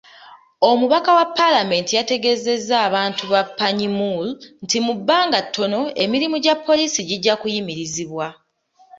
Omubaka wa paalamenti yategeeza abantu ba Panyimur nti mu bbanga ttono, emirimu gya poliisi gijja kuyimirizibwa.